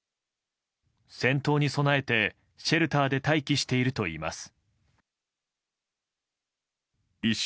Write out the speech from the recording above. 戦闘に備えてシェルターで待機しているといいます。